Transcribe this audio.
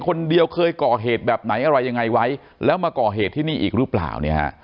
คนเดียวเคยก่อเหตุแบบไหนอะไรยังไงไว้แล้วมาก่อเหตุที่นี่อีกหรือเปล่าเนี่ยฮะ